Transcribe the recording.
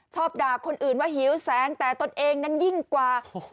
ด่าคนอื่นว่าหิวแสงแต่ตนเองนั้นยิ่งกว่า